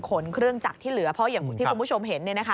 ขนเครื่องจักรที่เหลือเพราะอย่างที่คุณผู้ชมเห็น